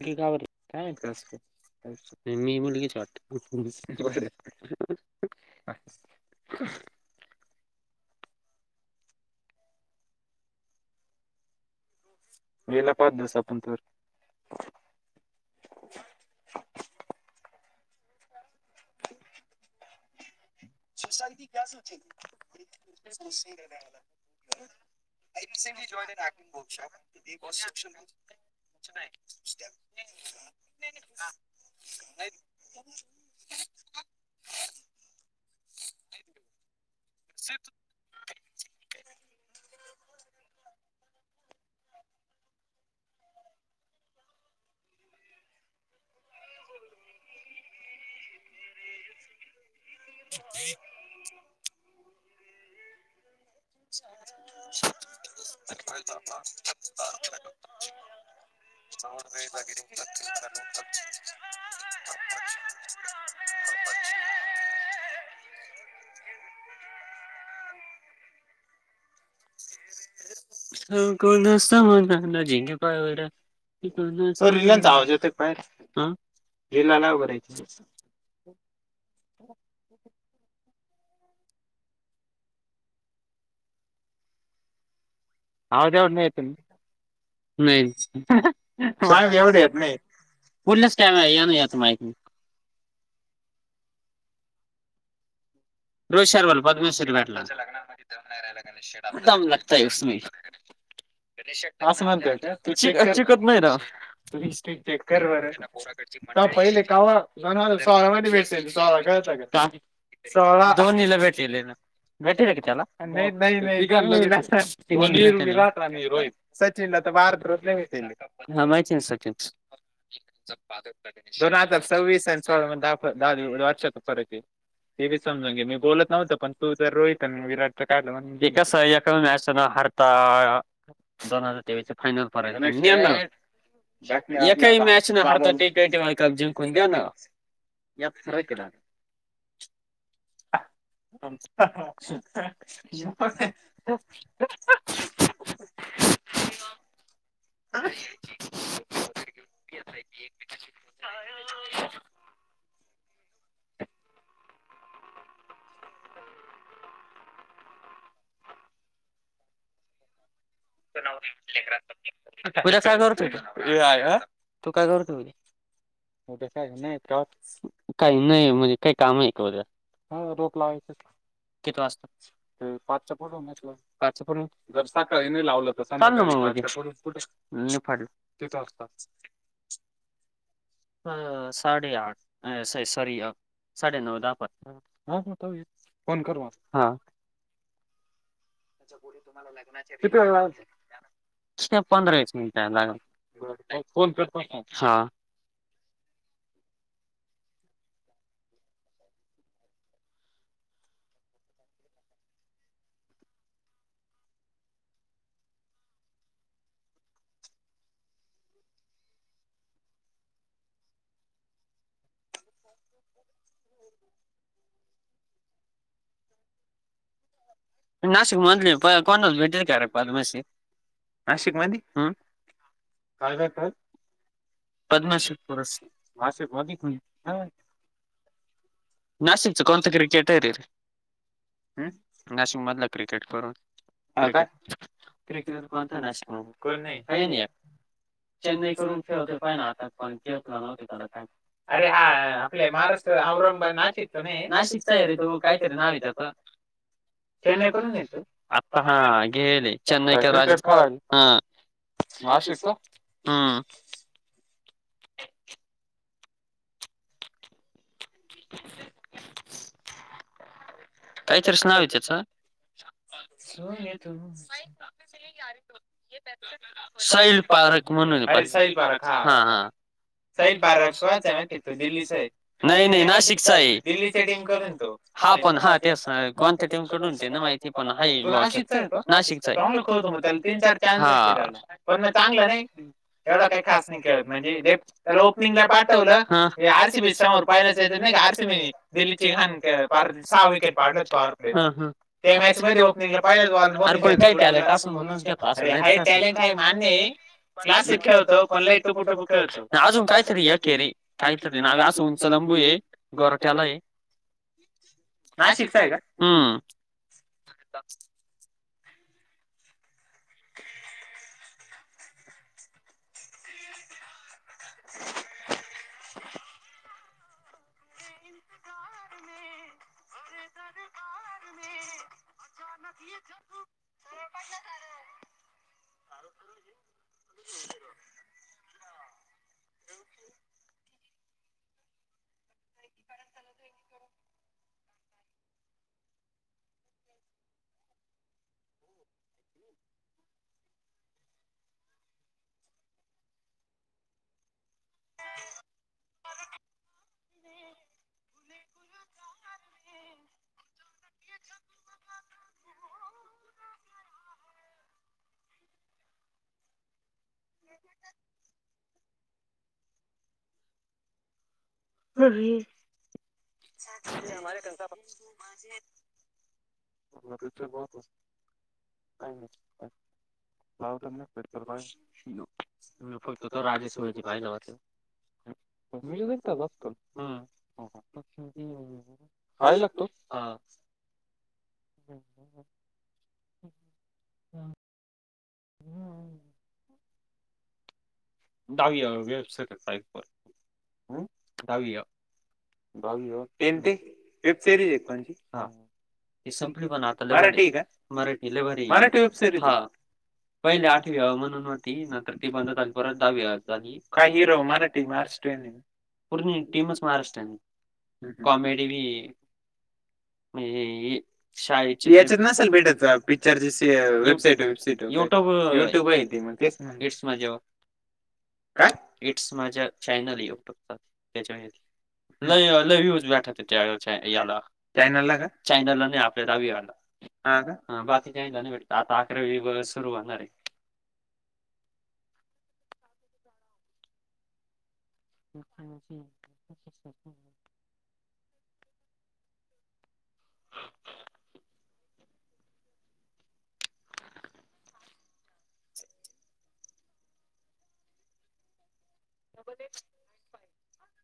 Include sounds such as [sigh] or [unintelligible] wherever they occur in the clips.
[unintelligible] मी [unintelligible] [unintelligible] [unintelligible] [unintelligible] [inaudible] [inaudible] [inaudible] [inaudible] [unintelligible] [unintelligible] [inaudible] [inaudible] [inaudible] [inaudible] [inaudible] सन कोणासा म्हण जिंगे पावला [unintelligible] [inaudible] [unintelligible] एवढे [unintelligible] बोललेस का येन याेच माहिती रोशन ला पद्मेश्वरी भेटला दम लगताइसमे आस म्हणता [unintelligible] हि हिस्ट चेक कर बर पहिले कावा ज सहरामध्ये भेटल सोळा [unintelligible] केलेत भेट चला नाही नाही [unintelligible] सचिन [unintelligible] दोन हजार सव्वीस आणि सोळा दहा दहा वर्षाात फरक हें तेवेच मी बोलत नव्हतं पण तू तर रोहित आणि विराटच काढलं म्हणजे कसं ए मॅच हरता ह दोन हजार तेवीस फायनल पण हें एही मॅच न हरता टी ट्वेंटी वर्ल्ड कप जिंकून द्या ना. [unintelligible] [inaudible] [unintelligible] [inaudible] [inaudible] [inaudible] [unintelligible] तु काय करतोय उद्या काही नाही का काही नाही म्हणजे काही काम आहे का उद्या हा रोप लावायचे. किती वाजत पाच पुडून पाच जर सकाळी नाय लावल [inaudible] निफाट तिथ असतात [unintelligible] अ साडेआठ अ स सॉरीया. साडे नऊ दहा पण [unintelligible] फोन करू हा अच्छा पुरी तुम्हाला लग्नाची [unintelligible] पंधरा वीस मिनिट लाग फोन करतो मी हा. [unintelligible] [unintelligible] नाशिक मधले कोणाला भेटल का रे पद्माशी? नाशिक मध्ये हम. काय करता? पद्माश्रीत पुरस राष्ट्रवादी खून काय नाशिकचं कोणत क्रिकेटर आहे रे हम नाशिक मधला क्रिकेट करून? काय काय क्रिकेट कोणता आहे नाशिक मध्ये? चेन्नई कडून खेळत पाहिना आता पण खेळत नव्हते काय अरे हा आपल्या महाराष्ट्र औरंगाद नाशिक चा नाय हाय नाशिक चा हाय र तो काय तरी नाव हाय त्याचा चेन्नई कडून हाय का आता हा चेन्नई [unintelligible] माफिसो हम्म. [inaudible] कायचारस नाव हाय त्याच [inaudible] साहिल पार्क म्हणून पार्क साहिल पार्क हा हा. साहिल पारस [unintelligible] दिल्लीच आहे नाही नाही नाशिकचा आहे दिल्ली टीम करून न तो. हा पण हा ते आ कोणत्या टीम कडून त्यांना माहिती पण हाय तो नाशिकचा हाय तो नाशिकचा हाय चांगल खेळतो मग त्याला तीन चार चान्स [unintelligible] पण मग चांगला नाइ हम. एवढा काय खास खेळत नाय म्हणजे त्याला ओपनिंगला पाठवलं आर सी बी समोर पाहिलाच चौकार नाही. आर सी बी नी दिल्लीची घान पार सहा विकेट पार्टनर्स कॉल त्या मॅच मध्ये ओपनिंगला पहिल्याच बॉल मध्ये आर पण काय टॅलेंट असेल म्हणून घेतला असेल. हाय चॅलेंज काय मान्यहे क्लासिक खळतो पण लय टिकू टिकू खेळतो अजून काय तरी येत थेरी [unintelligible] पूरये द्वारका नाय नाशिक काय र हम्म. [inaudible] [inaudible] [inaudible] [inaudible] [inaudible] ह [inaudible] [inaudible] [inaudible] [inaudible] ह [inaudible] हम्म हम् [inaudible] पिक्चर बहुत पसंद है. काय नाय का? फक्त ते ते राजेश भाय लवाते [unintelligible] मी नुसता झोपतो. हम्म हम हायलाकडू हा. हम् ह् हम् ह्. हम्म. दहावी अ वेबसट पा दहावी अ. [unintelligible] संपली पण आता मराठी वेबज लई भारी. पहिला आठवी अ म्हणून होती ती आता बंद झाले. [unintelligible] काय हिरो मराठी महाराष्ट्रीयन पूर्ण टीमच महाराष्ट्रीयन. कॉमेडी भी. याच्यात नल भेटत पिक्चरची वेबसाईट वेबसाईट. [unintelligible] युट्यूब आहेेत मग तेच मग गिट्स जेव. काय इट्स माझ्या चॅनल युट्युब च. नाही लतलायना ला चयनाला आप लागला [inaudible] हा का बाकीच्या नाही भेटत आता अकरावी सुरू होणार आहे. [unintelligible] [inaudible] [inaudible]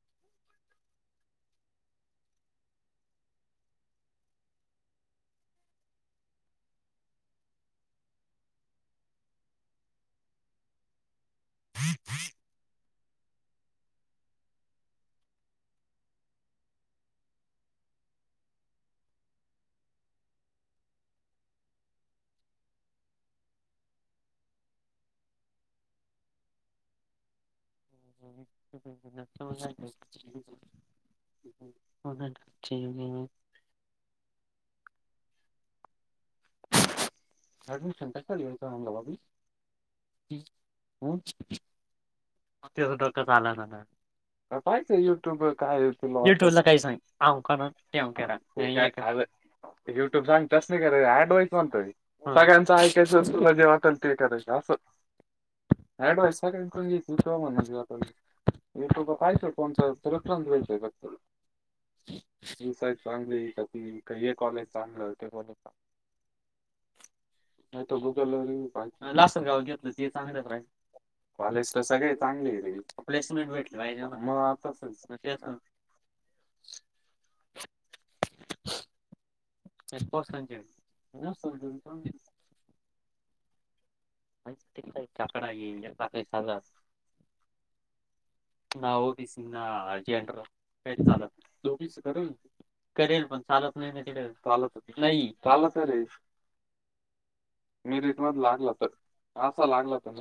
[unintelligible] ज [unintelligible] [unintelligible] ऍडमिशन कशा लिवायचं आमला बाबी [inaudible] ते सुधकच आला ना ना [unintelligible] कायचय युट्यूब वर काय का सांग युट्यूब सांग तस नाही फन तु सग्यांच ऐकाय तुला जे वाटल ते का अस. [inaudible] [inaudible] श म्हण आप त पाही शोमचा रेफरन्स द्याय आहेल [unintelligible] टू चांगलीती काही कॉलेज चांगलं हो तेलेां [unintelligible] [unintelligible] भुकल लाल गा घेतलं ते चांगलंच [unintelligible] सगळे चांगले रे प्लेसमेंट भेटली मग कस. [unintelligible] एको सजज [inaudible] का ककडा ज का साजर. ना ऑफिस नाजेंटर काही चालत ऑफिस. घरी आहे पण चालत नाही रे चालतंय रे. मरिट मध लागलं तर असा लागला त म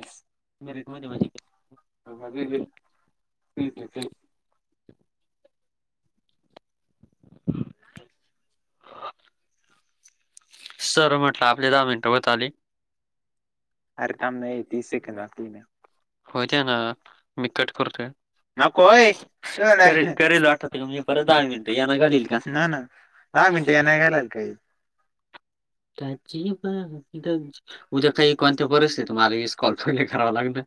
मरिट म [unintelligible] आ मध्ये फीती [unintelligible] सर म्हटलं आपले दहा मिनट होत आले. अरे थांब नाही तीस सेकंड बाकी हे. होत्या ना मी कट करतो. नकोय करल वाटत मी परत दहा मिनट यांना घालील का. दहा मिनटं या नाही घालाल काही उद्या काही कोणत्या परिस्थिती मला वीस कॉल पहिले करावा लागणार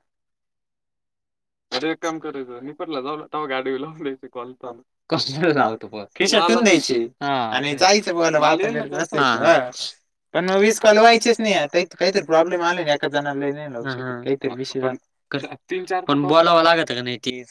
[unintelligible] [unintelligible] [unintelligible] द्यायची आणि जायचं बघाला वाप होत. वीस काल व्हायचेच नाही काहीतरी प्रॉब्लेम आले नाही एका जणला काहीतरी विस तस त बलावा लागत का नाही तीस.